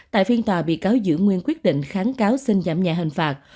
tại phiên tòa bị cáo giữ nguyên quyết định kháng cáo xin giảm nhẹ hình phạt